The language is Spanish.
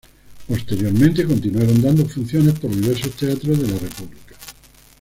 Posteriormente continuaron dando funciones por diversos teatros de la República.